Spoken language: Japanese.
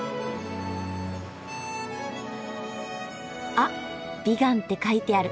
あっ「ビガン」って書いてある。